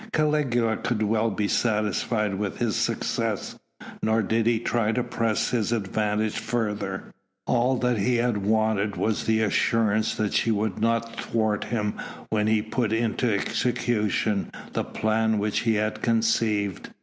Caligula could well be satisfied with his success; nor did he try to press his advantage further. All that he had wanted was the assurance that she would not thwart him when he put into execution the plan which he had conceived.